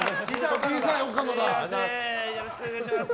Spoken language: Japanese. よろしくお願いします。